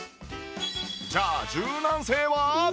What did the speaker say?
じゃあ柔軟性は？